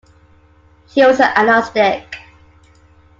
He was an agnostic.